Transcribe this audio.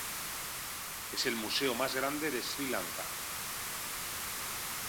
Es el museo más grande de Sri Lanka.